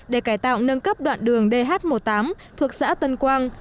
để cải tạo nâng cấp đoạn đường dh một mươi tám thuộc xã tân quang